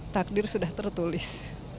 takdir sudah tertulis